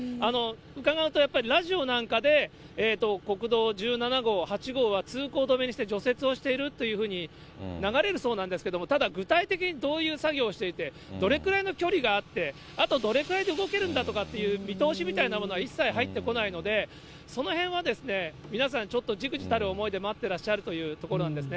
伺うとやっぱり、ラジオなんかで国道１７号、８号は通行止めにして、除雪をしているというふうに流れるそうなんですけど、ただ具体的にどういう作業をしていて、どれくらいの距離があって、あとどれぐらいで動けるんだとかいう見通しなどは一切入ってこないので、そのへんは皆さん、ちょっとじくじたる思いで、待ってらっしゃるというところなんですね。